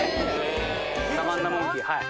サバンナモンキー。